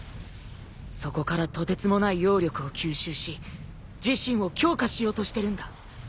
そこからとてつもない妖力を吸収し自身を強化しようとしてるんだ。